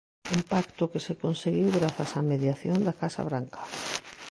Un pacto que se conseguiu grazas á mediación da Casa Branca.